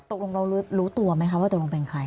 ตกลงเรารู้ตัวไหมคะว่าตกลงเป็นใคร